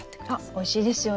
おいしいですよね。